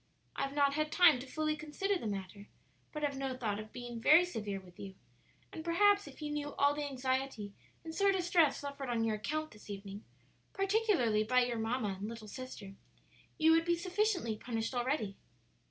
I have not had time to fully consider the matter, but have no thought of being very severe with you; and perhaps if you knew all the anxiety and sore distress suffered on your account this evening particularly by your mamma and little sister you would be sufficiently punished already."